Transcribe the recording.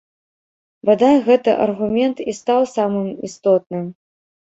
Бадай, гэты аргумент і стаў самым істотным.